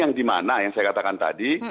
yang dimana yang saya katakan tadi